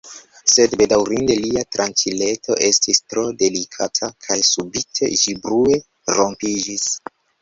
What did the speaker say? Sed bedaŭrinde lia tranĉileto estis tro delikata kaj subite ĝi brue rompiĝis.